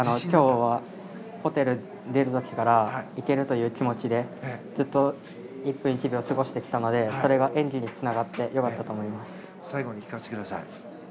今日、ホテルを出た時からいける！という気持ちでずっと１分１秒を過ごしてきたのでそれが演技につながって最後に聞かせてください。